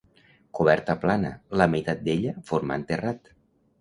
Coberta plana, la meitat d'ella formant terrat.